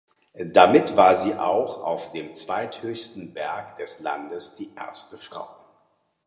Damit war sie auch auf dem zweithöchsten Berg des Landes die erste Frau.